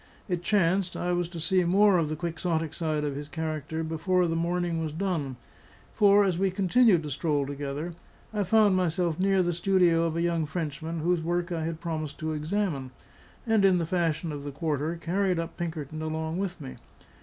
It chanced I was to see more of the quixotic side of his character before the morning was done; for as we continued to stroll together, I found myself near the studio of a young Frenchman whose work I had promised to examine, and in the fashion of the quarter carried up Pinkerton along with me.